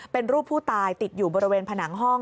เป็นรูปผู้ตายติดอยู่บริเวณผนังห้อง